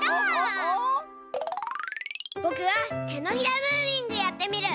ぼくはてのひらムービングやってみる！